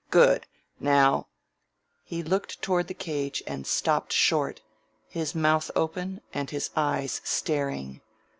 Good! Now " He looked toward the cage and stopped short, his mouth open and his eyes staring.